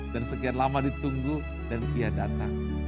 dan sekian lama ditunggu dan ia datang